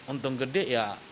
untuk gede ya